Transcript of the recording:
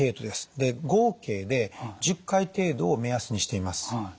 で合計で１０回程度を目安にしています。